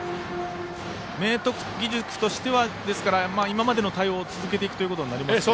明徳義塾としては今までの対応を続けていくことになりますね。